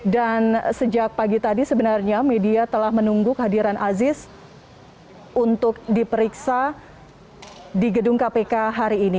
dan sejak pagi tadi sebenarnya media telah menunggu kehadiran aziz untuk diperiksa di gedung kpk hari ini